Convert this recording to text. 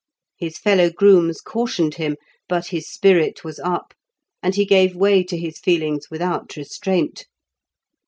His fellow grooms cautioned him; but his spirit was up, and he gave way to his feelings without restraint.